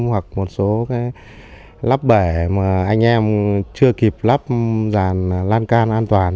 hoặc một số lắp bể mà anh em chưa kịp lắp dàn lan can an toàn